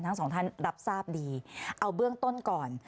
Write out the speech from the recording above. ทั้งสองท่านรับทราบดีเอาเบื้องต้นก่อน